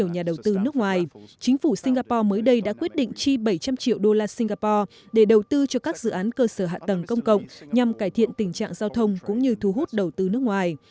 những nhà đầu tư nước ngoài chính phủ singapore mới đây đã quyết định chi bảy trăm linh triệu đô la singapore để đầu tư cho các dự án cơ sở hạ tầng công cộng nhằm cải thiện tình trạng giao thông cũng như thu hút đầu tư nước ngoài